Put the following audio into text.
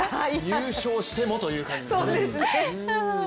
優勝しても、という感じですね。